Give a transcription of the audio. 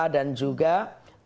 dan juga citra satellite